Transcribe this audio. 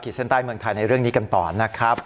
เส้นใต้เมืองไทยในเรื่องนี้กันต่อนะครับ